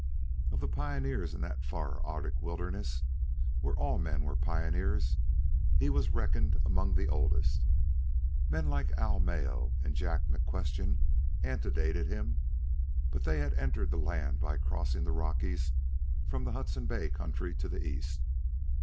Of the pioneers in that far Arctic wilderness, where all men were pioneers, he was reckoned among the oldest. Men like Al Mayo and Jack McQuestion antedated him; but they had entered the land by crossing the Rockies from the Hudson Bay country to the east.